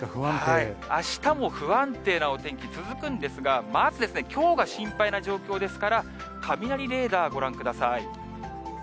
あしたも不安定なお天気続くんですが、まずきょうが心配な状況ですから、雷レーダー、ご覧ください。